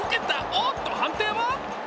おーっと、判定は？